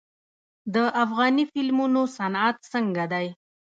د افغاني فلمونو صنعت څنګه دی؟